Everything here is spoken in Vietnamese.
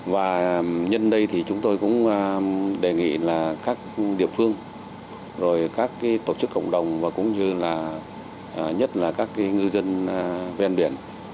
và nhân đây thì chúng tôi cũng đề nghị là các địa phương rồi các tổ chức cộng đồng và cũng như là nhất là các ngư dân ven biển